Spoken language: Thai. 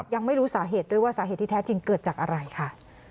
ยังไม่รู้สาเหตุด้วยว่าสาเหตุที่แท้จริงเกิดจากอะไรค่ะ